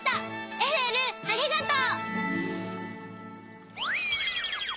えるえるありがとう。